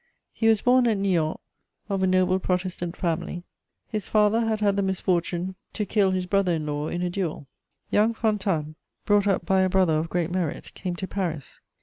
He was born at Niort of a noble Protestant family: his father had had the misfortune to kill his brother in law in a duel. Young Fontanes, brought up by a brother of great merit, came to Paris.